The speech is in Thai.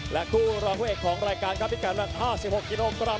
และคู่ร้องคู่เอกของรายการครับพี่กำลัง๕๖กิโลกรัม